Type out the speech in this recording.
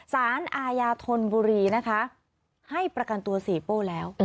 สารอาญาธนบุรีนะคะให้ประกันตัวเสียโป้แล้ว